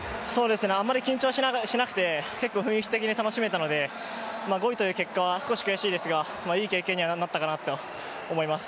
あまり緊張しなくて、結構雰囲気的に楽しめたので５位という結果は少し悔しいですがいい経験にはなったかなと思います。